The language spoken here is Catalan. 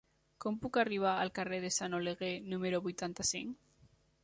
Com puc arribar al carrer de Sant Oleguer número vuitanta-cinc?